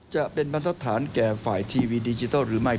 จะเป็นบรรทฐานแก่ฝ่ายทีวีดิจิทัลหรือไม่